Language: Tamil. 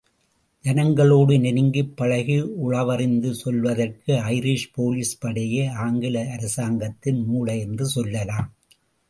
ஜனங்களோடு நெருங்கிப் பழகி உளவறிந்து சொல்வதற்கு ஐரிஷ் போலிஸ்படையே ஆங்கில அரசாங்கத்தின் மூளை என்று சொல்லலாம்.